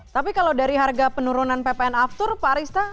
tapi kalau dari harga penurunan ppn aftur pak arista